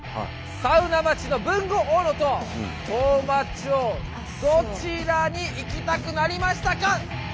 サウナまちの豊後大野と当麻町どちらに行きたくなりましたか？